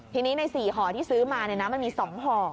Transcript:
ทีนี้ใน๔ห่อที่ซื้อมาเนี่ยนะมัน๒ห่อ